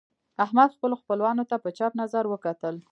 احمد خپلو خپلوانو ته په چپ نظر وکتل.